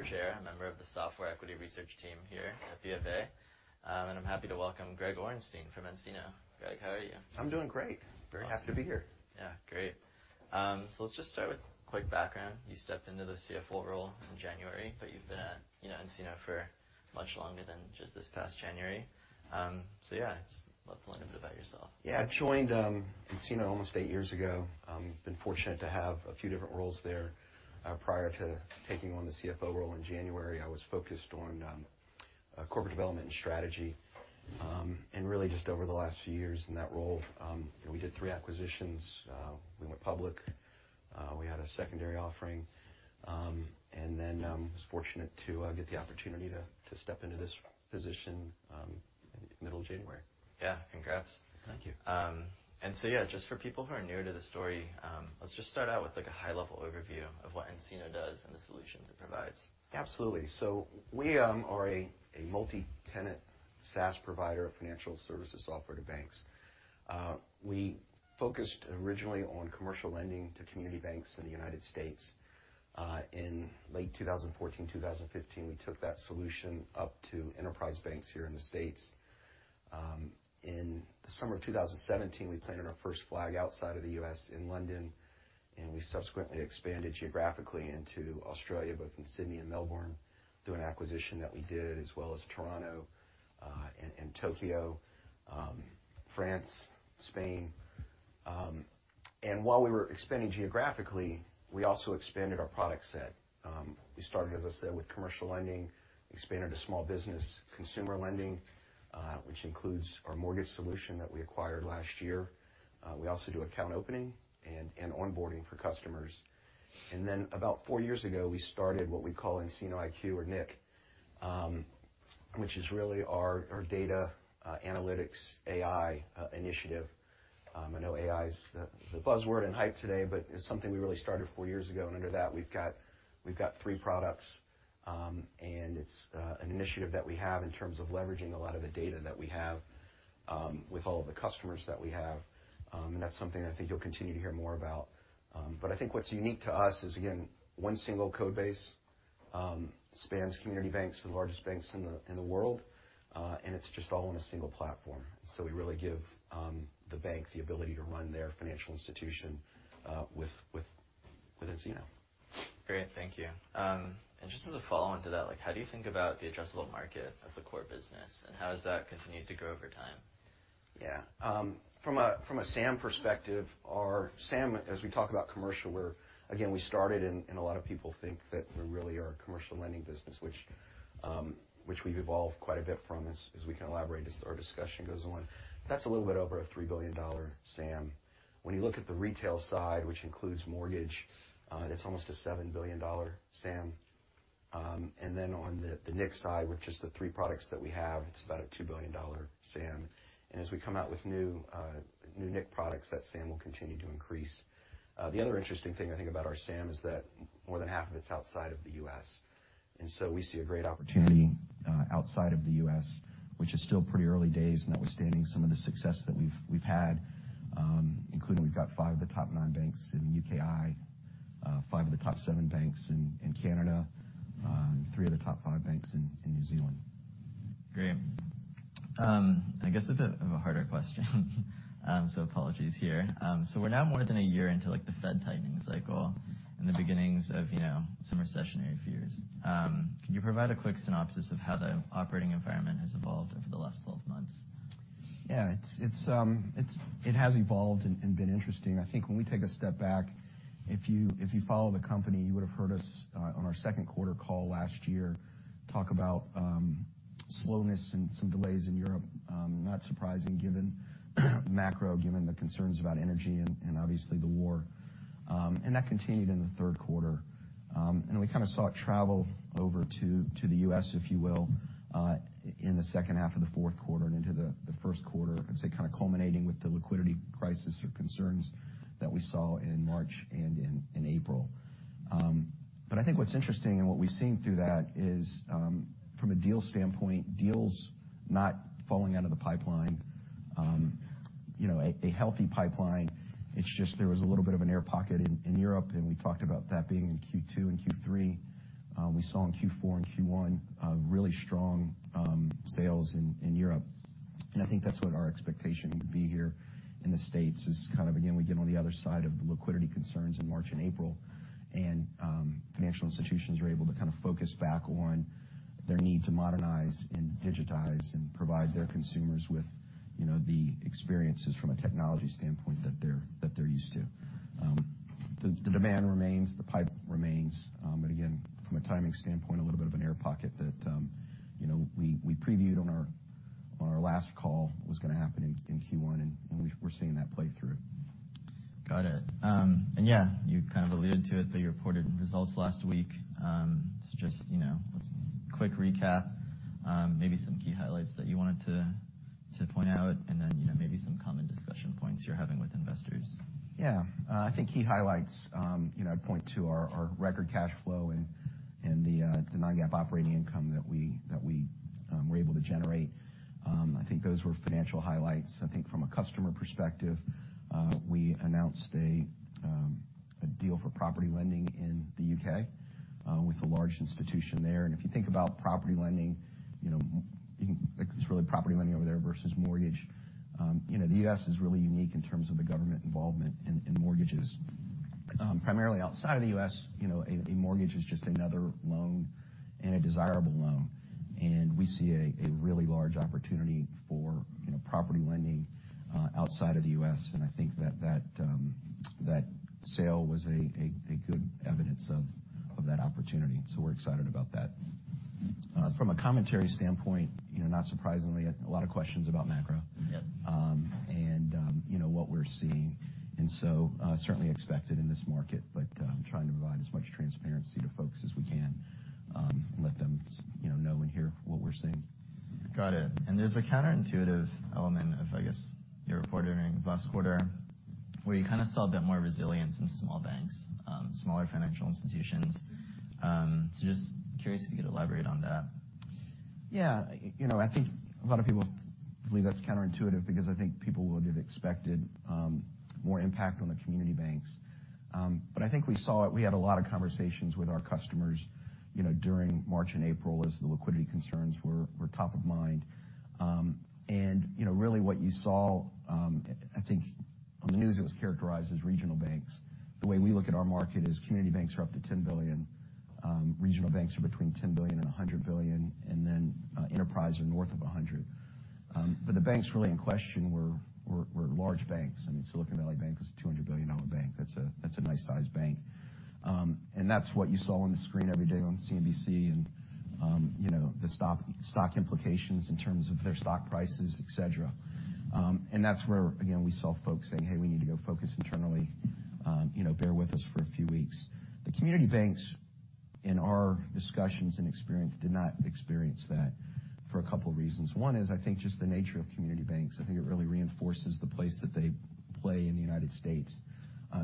I'm Adam Bergere, a member of the Software Equity Research team here at BofA. I'm happy to welcome Greg Orenstein from nCino. Greg, how are you? I'm doing great. Very happy to be here. Yeah, great. Let's just start with quick background. You stepped into the CFO role in January, but you've been at, you know, nCino for much longer than just this past January. Yeah, just love to learn a bit about yourself. Yeah. I joined nCino almost eight years ago. Been fortunate to have a few different roles there. Prior to taking on the CFO role in January, I was focused on corporate development and strategy. Really, just over the last few years in that role, you know, we did three acquisitions, we went public, we had a secondary offering, and then was fortunate to get the opportunity to step into this position middle of January. Yeah, congrats. Thank you. Yeah, just for people who are newer to the story, let's just start out with, like, a high-level overview of what nCino does and the solutions it provides. Absolutely. We are a multi-tenant SaaS provider of financial services software to banks. We focused originally on commercial lending to community banks in the United States. In late 2014, 2015, we took that solution up to enterprise banks here in the States. In the summer of 2017, we planted our first flag outside of the US in London, and we subsequently expanded geographically into Australia, both in Sydney and Melbourne, through an acquisition that we did, as well as Toronto, and Tokyo, France, Spain. While we were expanding geographically, we also expanded our product set. We started, as I said, with commercial lending, expanded to small business, consumer lending, which includes our mortgage solution that we acquired last year. We also do account opening and onboarding for customers. About 4 years ago, we started what we call nCino IQ, or nIQ, which is really our data, analytics, AI initiative. I know AI is the buzzword and hype today, but it's something we really started 4 years ago, and under that, we've got 3 products. It's an initiative that we have in terms of leveraging a lot of the data that we have with all of the customers that we have. That's something I think you'll continue to hear more about. I think what's unique to us is, again, one single code base spans community banks to the largest banks in the world, and it's just all on a single platform. We really give the bank the ability to run their financial institution with nCino. Great, thank you. Just as a follow-on to that, like, how do you think about the addressable market of the core business, and how has that continued to grow over time? Yeah. From a SAM perspective, our SAM, as we talk about commercial, where, again, we started and a lot of people think that we really are a commercial lending business, which we've evolved quite a bit from as we can elaborate as our discussion goes on. That's a little bit over a $3 billion SAM. When you look at the retail side, which includes mortgage, that's almost a $7 billion SAM. On the nIQ side, which is the three products that we have, it's about a $2 billion SAM. As we come out with new nIQ products, that SAM will continue to increase. The other interesting thing I think about our SAM is that more than half of it's outside of the US. We see a great opportunity, outside of the US, which is still pretty early days, notwithstanding some of the success that we've had, including we've got 5 of the top 9 banks in the UKI, 5 of the top 7 banks in Canada, 3 of the top 5 banks in New Zealand. Great. I guess a bit of a harder question. Apologies here. We're now more than a year into, like, the Fed tightening cycle and the beginnings of, you know, some recessionary fears. Can you provide a quick synopsis of how the operating environment has evolved over the last 12 months? Yeah, it's. It has evolved and been interesting. I think when we take a step back, if you follow the company, you would have heard us on our second quarter call last year, talk about slowness and some delays in Europe. Not surprising, given macro, given the concerns about energy and obviously the war. That continued in the third quarter. We kind of saw it travel over to the US, if you will, in the second half of the fourth quarter and into the first quarter. I'd say kind of culminating with the liquidity crisis or concerns that we saw in March and in April. I think what's interesting and what we've seen through that is, from a deals standpoint, deals not falling out of the pipeline. you know, a healthy pipeline. It's just there was a little bit of an air pocket in Europe, and we talked about that being in Q2 and Q3. We saw in Q4 and Q1, really strong sales in Europe. I think that's what our expectation would be here in the States, is kind of again, we get on the other side of the liquidity concerns in March and April, and financial institutions are able to kind of focus back on their need to modernize and digitize and provide their consumers with, you know, the experiences from a technology standpoint that they're, that they're used to. The demand remains, the pipe remains. Again, from a timing standpoint, a little bit of an air pocket that, you know, we previewed on our last call was gonna happen in Q1, we're seeing that play through. Got it. You kind of alluded to it, but you reported results last week. Just, you know, let's quick recap, maybe some key highlights that you wanted to point out and then, you know, maybe some common discussion points you're having with investors. Yeah. I think key highlights, you know, I'd point to our record cash flow and the non-GAAP operating income that we were able to generate. I think those were financial highlights. I think from a customer perspective, we announced a deal for property lending in the UK with a large institution there. If you think about property lending, you know, it's really property lending over there versus mortgage. You know, the US is really unique in terms of the government involvement in mortgages. Primarily outside of the US, you know, a mortgage is just another loan and a desirable loan, and we see a really large opportunity for, you know, property lending outside of the US. I think that sale was a good evidence of that opportunity, so we're excited about that. From a commentary standpoint, you know, not surprisingly, a lot of questions about macro. Yep. You know, what we're seeing. Certainly expected in this market, but I'm trying to provide as much transparency to folks as we can, let them you know and hear what we're seeing. Got it. There's a counterintuitive element of, I guess, your report earnings last quarter, where you kind of saw a bit more resilience in small banks, smaller financial institutions. Just curious if you could elaborate on that. Yeah. You know, I think a lot of people believe that's counterintuitive because I think people would have expected more impact on the community banks. I think we saw it. We had a lot of conversations with our customers, you know, during March and April, as the liquidity concerns were top of mind. You know, really what you saw, I think on the news, it was characterized as regional banks. The way we look at our market is community banks are up to $10 billion, regional banks are between $10 billion and $100 billion, and then enterprise are North of $100 billion. The banks really in question were large banks. I mean, Silicon Valley Bank is a $200 billion bank. That's a nice size bank. That's what you saw on the screen every day on CNBC and, you know, the stock implications in terms of their stock prices, et cetera. That's where, again, we saw folks saying, "Hey, we need to go focus internally. You know, bear with us for a few weeks." The community banks, in our discussions and experience, did not experience that for a couple reasons. One is, I think, just the nature of community banks. I think it really reinforces the place that they play in the United States.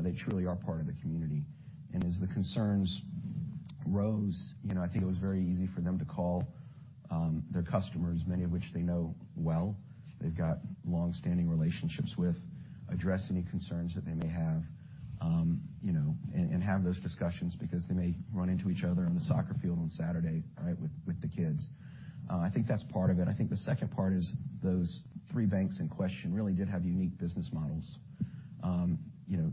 They truly are part of the community. As the concerns rose, you know, I think it was very easy for them to call their customers, many of which they know well, they've got long-standing relationships with, address any concerns that they may have, you know, and have those discussions because they may run into each other on the soccer field on Saturday, right, with the kids. I think that's part of it. I think the second part is those three banks in question really did have unique business models, you know,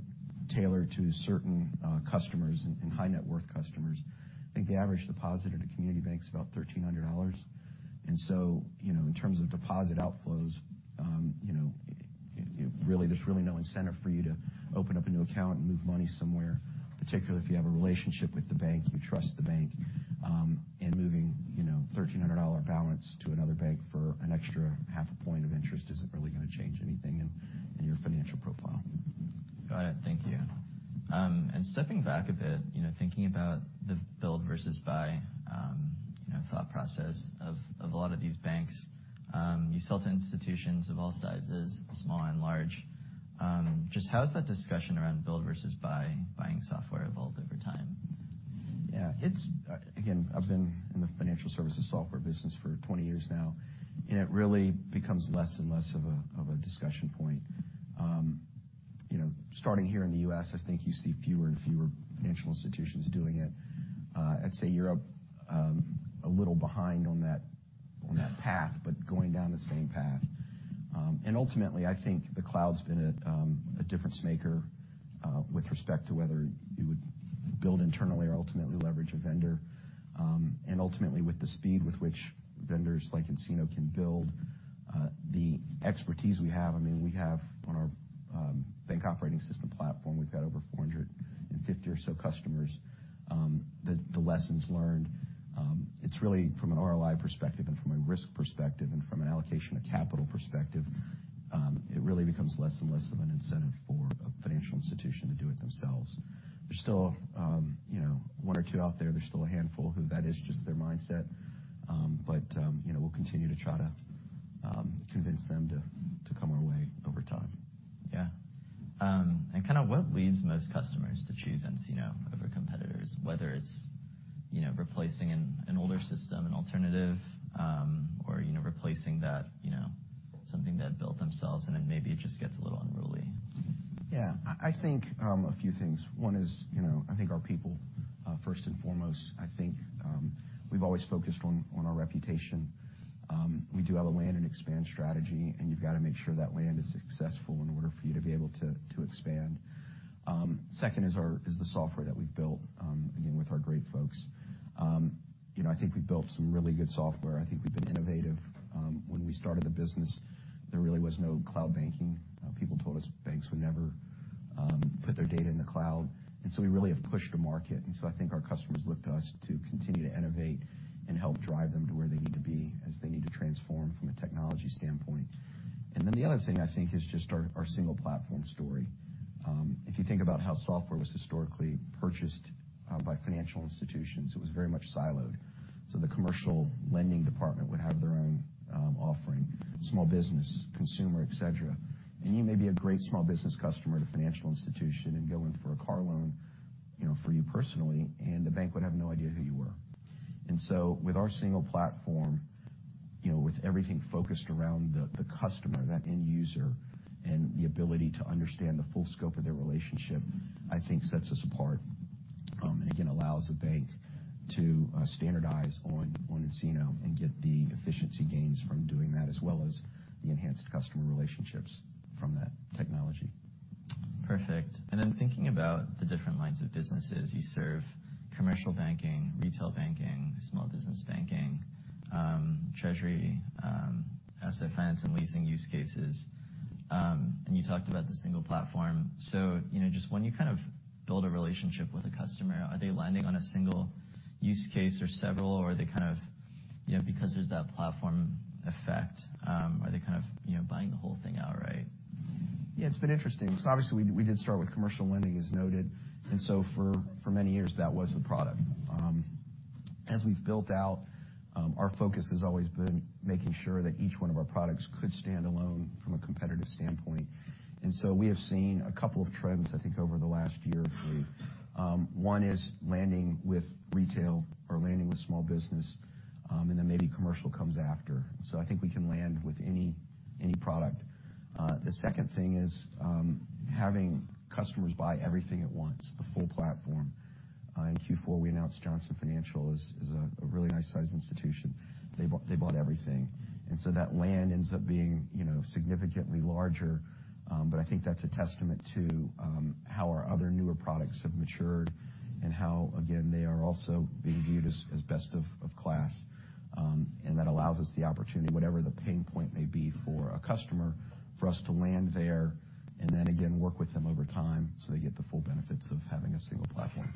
tailored to certain customers and high-net-worth customers. I think the average depositor at a community bank is about $1,300. You know, in terms of deposit outflows, you know, it really, there's really no incentive for you to open up a new account and move money somewhere, particularly if you have a relationship with the bank, you trust the bank. moving, you know, $1,300 balance to another bank for an extra half a point of interest isn't really gonna change anything in your financial profile. Got it. Thank you. Stepping back a bit, you know, thinking about the build versus buy, you know, thought process of a lot of these banks, you sell to institutions of all sizes, small and large. Just how has that discussion around build versus buy, buying software evolved over time? Yeah, it's again, I've been in the financial services software business for 20 years now, and it really becomes less and less of a discussion point. You know, starting here in the US, I think you see fewer and fewer financial institutions doing it. I'd say Europe, a little behind on that path, but going down the same path. Ultimately, I think the cloud's been a difference maker, with respect to whether you would build internally or ultimately leverage a vendor. Ultimately, with the speed with which vendors like nCino can build, the expertise we have, I mean, we have on our Bank Operating System platform, we've got over 450 or so customers, the lessons learned. It's really from an ROI perspective and from a risk perspective and from an allocation of capital perspective, it really becomes less and less of an incentive for a financial institution to do it themselves. There's still, you know, one or two out there. There's still a handful who that is just their mindset. You know, we'll continue to try to convince them to come our way over time. Yeah. kind of what leads most customers to choose nCino over competitors, whether it's, you know, replacing an older system, an alternative, or, you know, replacing that, you know, something they had built themselves, and then maybe it just gets a little unruly? Yeah. I think a few things. One is, you know, I think our people, first and foremost, I think, we've always focused on our reputation. We do have a land and expand strategy. You've got to make sure that land is successful in order for you to be able to expand. Second is the software that we've built, again, with our great folks. You know, I think we've built some really good software. I think we've been innovative. When we started the business, there really was no cloud banking. People told us banks would never put their data in the cloud. We really have pushed the market. I think our customers look to us to continue to innovate and help drive them to where they need to be as they need to transform from a technology standpoint. The other thing, I think, is just our single platform story. If you think about how software was historically purchased by financial institutions, it was very much siloed. The commercial lending department would have their own offering, small business, consumer, et cetera. You may be a great small business customer to financial institution and go in for a car loan, you know, for you personally, and the bank would have no idea who you were. With our single platform, you know, with everything focused around the customer, that end user, and the ability to understand the full scope of their relationship, I think sets us apart, and again, allows the bank to standardize on nCino and get the efficiency gains from doing that, as well as the enhanced customer relationships from that technology. Perfect. Then thinking about the different lines of businesses, you serve commercial banking, retail banking, small business banking, treasury, asset finance and leasing use cases. You talked about the single platform. You know, just when you kind of build a relationship with a customer, are they landing on a single use case or several, or are they kind of, you know, because there's that platform effect, are they kind of, you know, buying the whole thing outright? It's been interesting. Obviously, we did start with commercial lending, as noted, and for many years, that was the product. As we've built out, our focus has always been making sure that each one of our products could stand alone from a competitive standpoint. We have seen a couple of trends, I think, over the last year or 3. One is landing with retail or landing with small business, and then maybe commercial comes after. I think we can land with any product. The second thing is, having customers buy everything at once, the full platform. In Q4, we announced Johnson Financial Group is a really nice-sized institution. They bought everything. That land ends up being, you know, significantly larger, but I think that's a testament to how our other newer products have matured and how, again, they are also being viewed as best of class. That allows us the opportunity, whatever the pain point may be for a customer, for us to land there, and then again, work with them over time so they get the full benefits of having a single platform.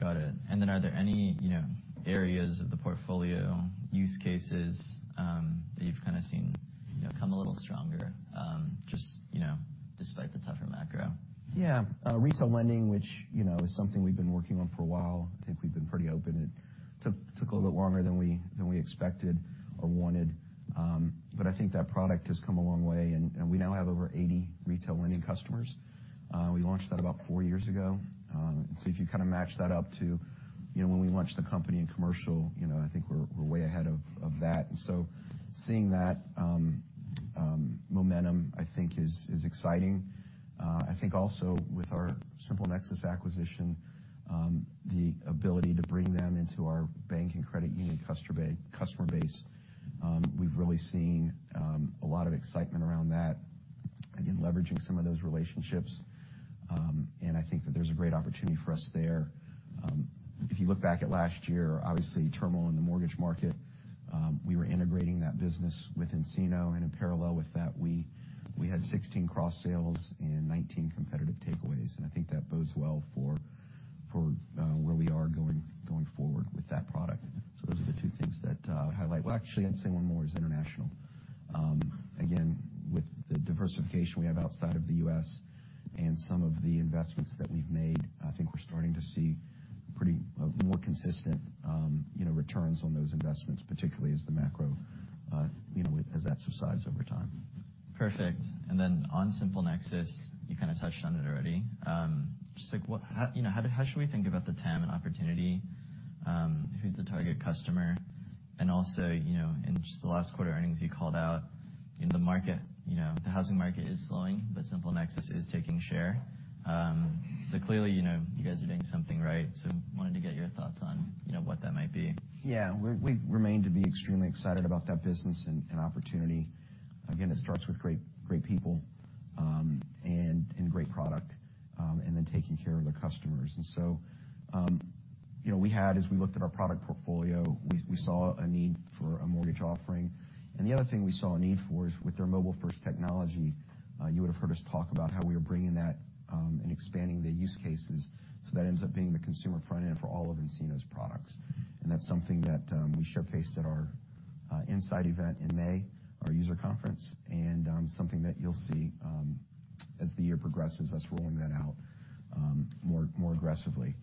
Got it. Are there any, you know, areas of the portfolio, use cases, that you've kind of seen, you know, come a little stronger, just, you know, despite the tougher macro? Yeah. Retail lending, which, you know, is something we've been working on for a while, I think we've been pretty open. It took a little bit longer than we expected or wanted, but I think that product has come a long way, and we now have over 80 retail lending customers. We launched that about 4 years ago. If you kind of match that up to, you know, when we launched the company in commercial, you know, I think we're way ahead of that. Seeing that momentum, I think is exciting. I think also with our SimpleNexus acquisition, the ability to bring them into our bank and credit union customer base, we've really seen a lot of excitement around that, again, leveraging some of those relationships. I think that there's a great opportunity for us there. If you look back at last year, obviously, turmoil in the mortgage market, we were integrating that business with nCino, and in parallel with that, we had 16 cross sales and 19 competitive takeaways, and I think that bodes well for where we are going forward with that product. Those are the two things that I would highlight. Well, actually, I'd say one more is international. Again, with the diversification we have outside of the US and some of the investments that we've made, I think we're starting to see pretty more consistent, you know, returns on those investments, particularly as the macro, you know, as that subsides over time. Perfect. Then on SimpleNexus, you kind of touched on it already. Just like, what, how, you know, how should we think about the TAM and opportunity? Who's the target customer? Also, you know, in just the last quarter earnings, you called out, you know, the market, the housing market is slowing, but SimpleNexus is taking share. Clearly, you know, you guys are doing something right. Wanted to get your thoughts on, you know, what that might be? Yeah. We remain to be extremely excited about that business and opportunity. Again, it starts with great people and great product, then taking care of the customers. You know, we had, as we looked at our product portfolio, we saw a need for a mortgage offering. The other thing we saw a need for is with their Mobile-first technology, you would have heard us talk about how we are bringing that and expanding the use cases so that ends up being the consumer front end for all of nCino's products. That's something that we showcased at our nSight event in May, our user conference, and something that you'll see as the year progresses, us rolling that out more aggressively.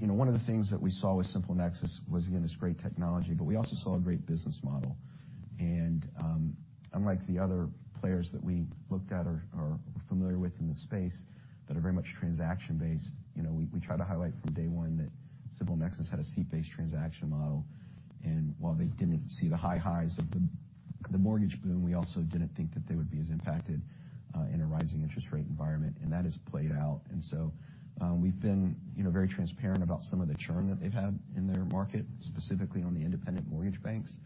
You know, one of the things that we saw with SimpleNexus was, again, this great technology, but we also saw a great business model. Unlike the other players that we looked at or are familiar with in the space that are very much transaction-based, you know, we tried to highlight from day one that SimpleNexus had a seat-based transaction model, and while they didn't see the high highs of the mortgage boom, we also didn't think that they would be as impacted in a rising interest rate environment, and that has played out. We've been, you know, very transparent about some of the churn that they've had in their market, specifically on the independent mortgage banks.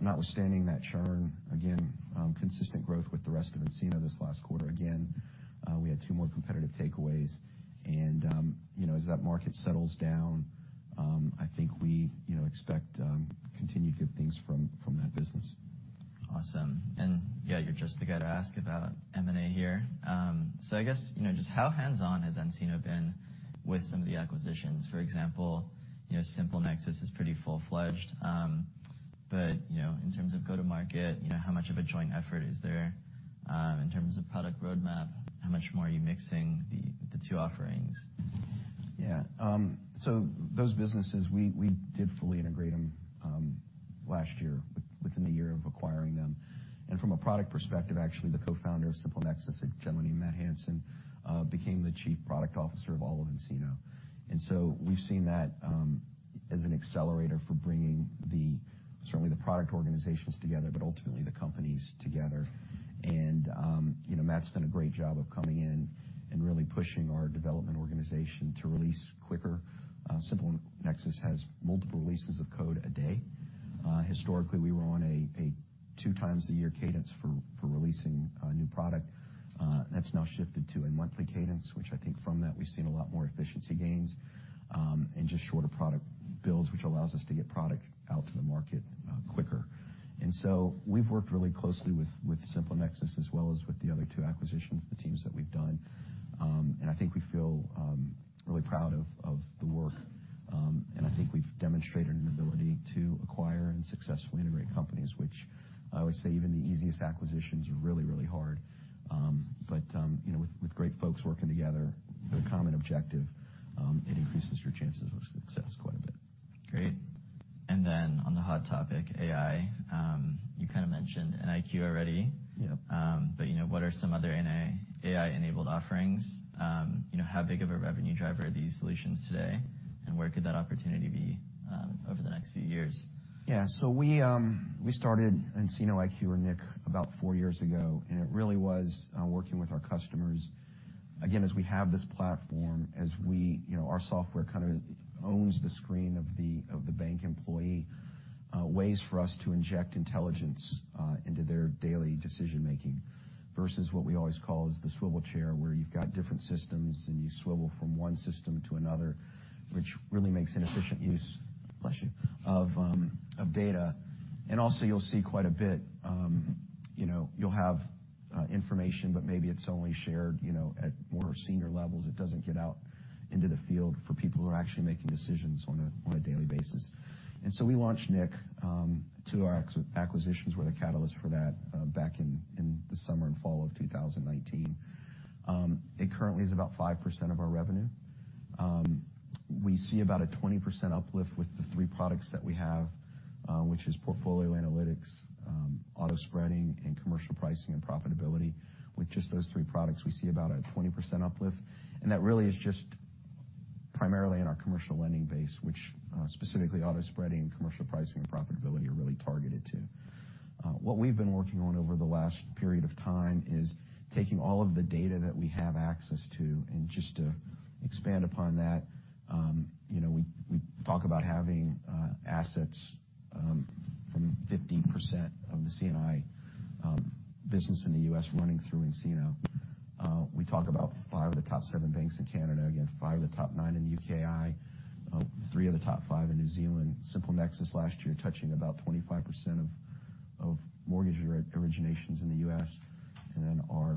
Notwithstanding that churn, again, consistent growth with the rest of nCino this last quarter. Again, we had 2 more competitive takeaways, and, you know, as that market settles down, I think we, you know, expect continued good things from that business. Awesome. Yeah, you're just the guy to ask about M&A here. I guess, you know, just how hands-on has nCino been with some of the acquisitions? For example, you know, SimpleNexus is pretty full-fledged, you know, in terms of go-to-market, you know, how much of a joint effort is there? In terms of product roadmap, how much more are you mixing the two offerings? Yeah. Those businesses, we did fully integrate them last year, within a year of acquiring them. From a product perspective, actually, the co-founder of SimpleNexus, a gentleman named Matt Hansen, became the Chief Product Officer of all of nCino. We've seen that as an accelerator for bringing the, certainly the product organizations together, but ultimately the companies together. You know, Matt's done a great job of coming in and really pushing our development organization to release quicker. SimpleNexus has multiple releases of code a day. Historically, we were on a two times a year cadence for releasing new product. That's now shifted to a monthly cadence, which I think from that, we've seen a lot more efficiency gains, and just shorter product builds, which allows us to get product out to the market quicker. We've worked really closely with SimpleNexus, as well as with the other two acquisitions, the teams that we've done. I think we feel really proud of the work. I think we've demonstrated an ability to acquire and successfully integrate companies, which I would say even the easiest acquisitions are really, really hard. You know, with great folks working together with a common objective, it increases your chances of success quite a bit. Great. On the hot topic, AI, you kind of mentioned nIQ already. Yep. You know, what are some other AI-enabled offerings? You know, how big of a revenue driver are these solutions today, and where could that opportunity be over the next few years? Yeah. We started nCino IQ or nIQ about four years ago, and it really was working with our customers. Again, as we have this platform, as we you know, our software kind of owns the screen of the, of the bank employee, ways for us to inject intelligence into their daily decision-making, versus what we always call is the swivel chair, where you've got different systems, and you swivel from one system to another, which really makes inefficient use, bless you, of data. Also, you'll see quite a bit, you know, you'll have information, but maybe it's only shared, you know, at more senior levels. It doesn't get out into the field for people who are actually making decisions on a daily basis. We launched nIQ, 2 acquisitions were the catalyst for that, back in the summer and fall of 2019. It currently is about 5% of our revenue. We see about a 20% uplift with the 3 products that we have, which is Portfolio Analytics, Automated Spreading, and Commercial Pricing and Profitability. With just those 3 products, we see about a 20% uplift, and that really is just primarily in our commercial lending base, which specifically Automated Spreading, Commercial Pricing and Profitability are really targeted to. What we've been working on over the last period of time is taking all of the data that we have access to, and just to expand upon that, you know, we talk about having assets from 50% of the CNI business in the US running through nCino. We talk about 5 of the top 7 banks in Canada, again, 5 of the top 9 in the UKI, 3 of the top 5 in New Zealand. SimpleNexus last year, touching about 25% of originations in the US, and then our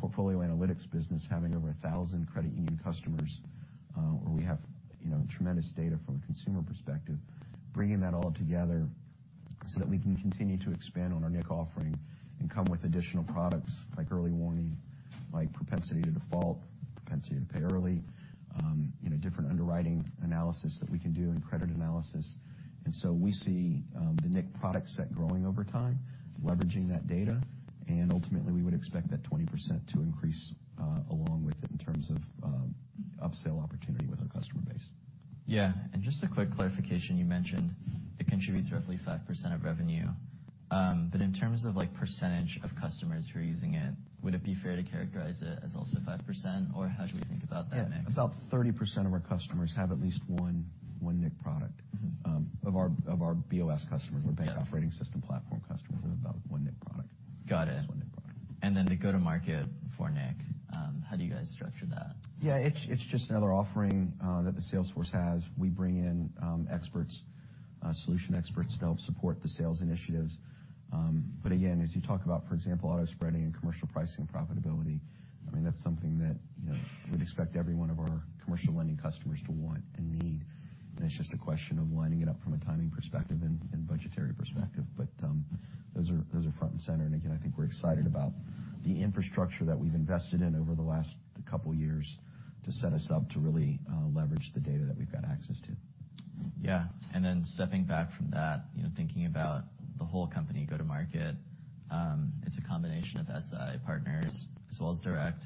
Portfolio Analytics business having over 1,000 credit union customers, where we have, you know, tremendous data from a consumer perspective. Bringing that all together so that we can continue to expand on our nIQ offering and come with additional products like early warning, like propensity to default, propensity to pay early, you know, different underwriting analysis that we can do and credit analysis. We see the nIQ product set growing over time, leveraging that data, and ultimately, we would expect that 20% to increase along with it in terms of upsell opportunity with our customer base. Yeah. Just a quick clarification, you mentioned it contributes roughly 5% of revenue. In terms of, like, percentage of customers who are using it, would it be fair to characterize it as also 5%, or how should we think about that mix? Yeah. About 30% of our customers have at least one nIQ product. Mm-hmm. of our BOS customers, or Bank Operating System platform customers, have about 1 nIQ product. Got it. One nIQ product. The go-to-market for nIQ, how do you guys structure that? Yeah, it's just another offering that the sales force has. We bring in experts, solution experts to help support the sales initiatives. But again, as you talk about, for example, Automated Spreading and Commercial Pricing and Profitability, I mean, that's something that, you know, we'd expect every one of our commercial lending customers to want and need. It's just a question of lining it up from a timing perspective and budgetary perspective. But those are front and center, and again, I think we're excited about the infrastructure that we've invested in over the last couple of years to set us up to really leverage the data that we've got access to. Yeah. Stepping back from that, you know, thinking about the whole company go-to-market, it's a combination of SI partners as well as direct.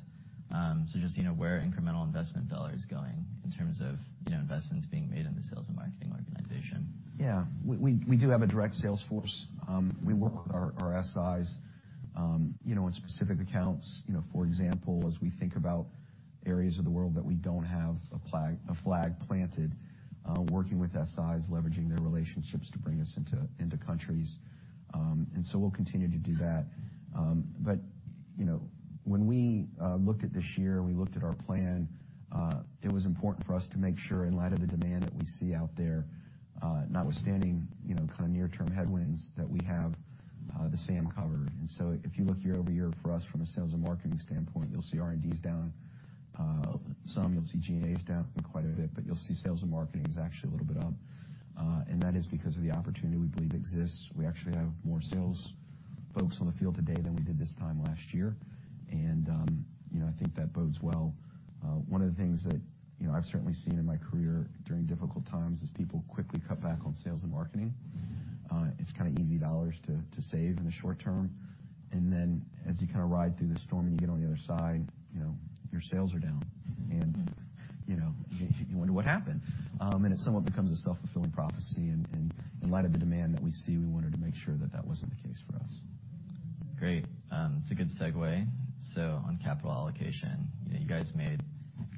Just, you know, where are incremental investment dollars going in terms of, you know, investments being made in the sales and marketing organization? Yeah. We do have a direct sales force. We work with our SIs, you know, on specific accounts. You know, for example, as we think about areas of the world that we don't have a flag planted, working with SIs, leveraging their relationships to bring us into countries. We'll continue to do that. You know, when we looked at this year, we looked at our plan, it was important for us to make sure, in light of the demand that we see out there, notwithstanding, you know, kind of near-term headwinds, that we have the same covered. If you look year-over-year for us from a sales and marketing standpoint, you'll see R&D is down some. You'll see GA is down quite a bit, but you'll see sales and marketing is actually a little bit up, and that is because of the opportunity we believe exists. We actually have more sales folks on the field today than we did this time last year. You know, I think that bodes well. One of the things that, you know, I've certainly seen in my career during difficult times, is people quickly cut back on sales and marketing. It's kind of easy dollars to save in the short term, and then as you kind of ride through the storm and you get on the other side, you know, your sales are down. Mm-hmm. You know, you wonder what happened. It somewhat becomes a self-fulfilling prophecy, and in light of the demand that we see, we wanted to make sure that that wasn't the case for us. Great. It's a good segue. On capital allocation, you know, you guys made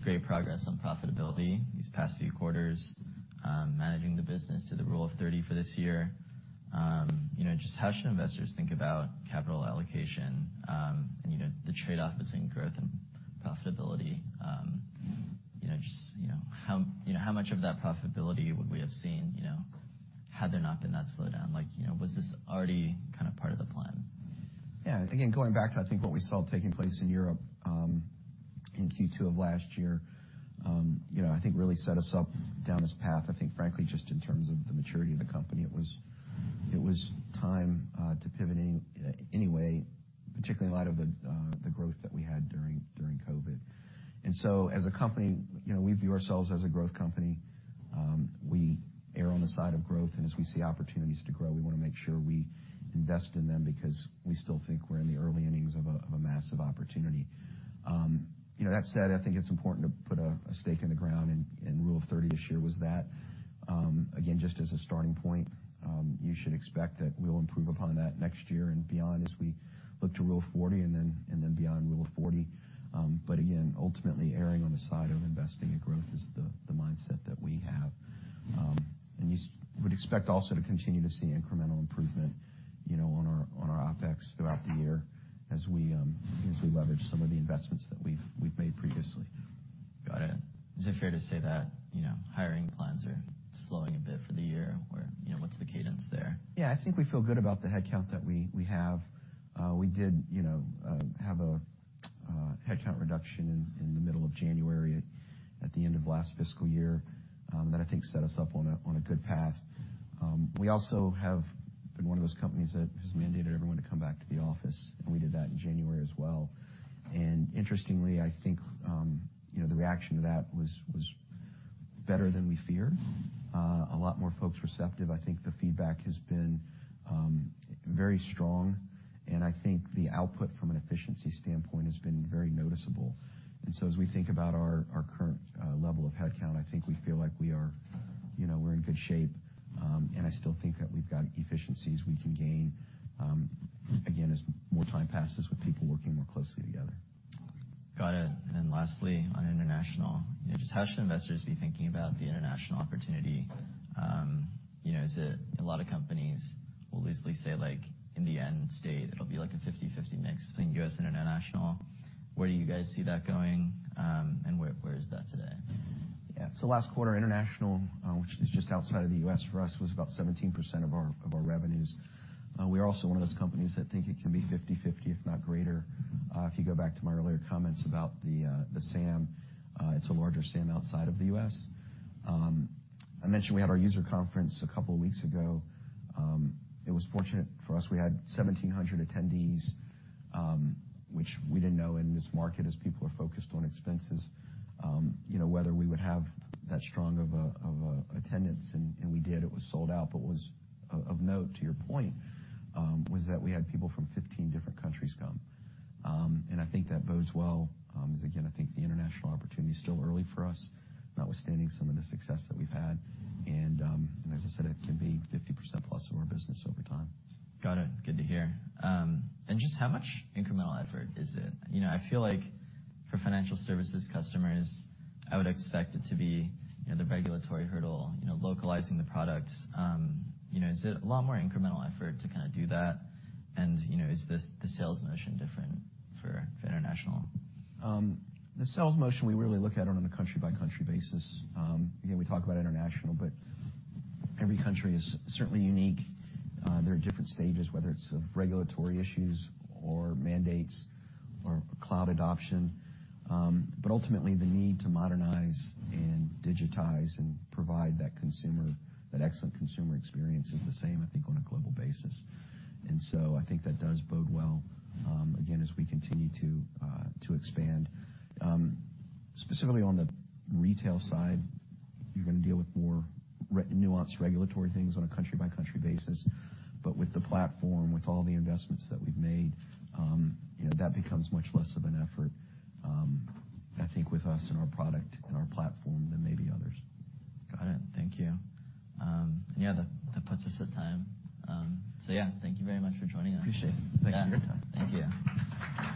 great progress on profitability these past few quarters, managing the business to the Rule of 30 for this year. You know, just how should investors think about capital allocation, and, you know, the trade-off between growth and profitability? You know, just, you know, how, you know, how much of that profitability would we have seen, you know, had there not been that slowdown? Like, you know, was this already kind of part of the plan? Yeah. Again, going back to, I think, what we saw taking place in Europe, in Q2 of last year, you know, I think really set us up down this path. I think, frankly, just in terms of the maturity of the company, it was time to pivot anyway, particularly in light of the growth that we had during COVID. As a company, you know, we view ourselves as a growth company. We err on the side of growth, and as we see opportunities to grow, we wanna make sure we invest in them because we still think we're in the early innings of a massive opportunity. You know, that said, I think it's important to put a stake in the ground, and Rule of 30 this year was that. Again, just as a starting point, you should expect that we'll improve upon that next year and beyond as we look to Rule of 40 and then beyond Rule of 40. Again, ultimately, erring on the side of investing in growth is the mindset that we have. You would expect also to continue to see incremental improvement, you know, on our OpEx throughout the year as we leverage some of the investments that we've made previously. Got it. Is it fair to say that, you know, hiring plans are slowing a bit for the year, or, you know, what's the cadence there? Yeah, I think we feel good about the headcount that we have. We did, you know, have a headcount reduction in the middle of January at the end of last fiscal year that I think set us up on a good path. We also have been one of those companies that has mandated everyone to come back to the office, and we did that in January as well. Interestingly, I think, you know, the reaction to that was better than we feared. A lot more folks receptive. I think the feedback has been very strong, and I think the output from an efficiency standpoint has been very noticeable. As we think about our current level of headcount, I think we feel like we are, you know, we're in good shape, and I still think that we've got efficiencies we can gain, again, as more time passes with people working more closely together. Got it. Lastly, on international, you know, just how should investors be thinking about the international opportunity? You know, a lot of companies will loosely say, like, in the end state, it'll be like a 50/50 mix between US and international. Where do you guys see that going, and where is that today? Last quarter international, which is just outside of the US for us, was about 17% of our revenues. We are also one of those companies that think it can be 50/50, if not greater. If you go back to my earlier comments about the SAM, it's a larger SAM outside of the US. I mentioned we had our user conference a couple of weeks ago. It was fortunate for us. We had 1,700 attendees, which we didn't know in this market as people are focused on expenses, you know, whether we would have that strong of a attendance, and we did. It was sold out. What was of note to your point, was that we had people from 15 different countries come. I think that bodes well, as, again, I think the international opportunity is still early for us, notwithstanding some of the success that we've had. As I said, it can be 50% plus of our business over time. Got it. Good to hear. Just how much incremental effort is it? You know, I feel like for financial services customers, I would expect it to be, you know, the regulatory hurdle, you know, localizing the products. You know, is it a lot more incremental effort to kind of do that? You know, is the sales motion different for international? The sales motion, we really look at it on a country-by-country basis. Again, we talk about international, every country is certainly unique. There are different stages, whether it's of regulatory issues or mandates or cloud adoption, ultimately, the need to modernize and digitize and provide that excellent consumer experience is the same, I think, on a global basis. I think that does bode well, again, as we continue to expand. Specifically on the retail side, you're gonna deal with more nuanced regulatory things on a country-by-country basis, but with the platform, with all the investments that we've made, you know, that becomes much less of an effort, I think with us and our product and our platform than maybe others. Got it. Thank you. Yeah, that puts us at time. Yeah, thank you very much for joining us. Appreciate it. Thanks for your time. Thank you.